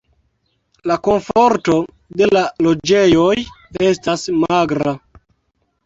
La komforto de la loĝejoj estas magra.